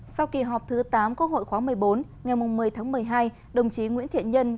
sau kỳ họp thứ tám quốc hội khóa một mươi bốn ngày một mươi tháng một mươi hai đồng chí nguyễn thiện nhân